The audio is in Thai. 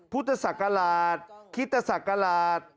พุทธศักราชคิตศักราช